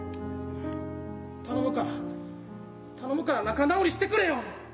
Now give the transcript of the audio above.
頼むから頼むから仲直りしてくれよ。